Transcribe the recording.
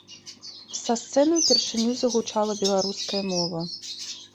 Са сцэны ўпершыню загучала беларуская мова.